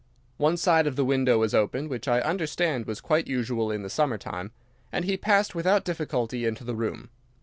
One side of the window was open, which I understand was quite usual in the summer time, and he passed without difficulty into the room.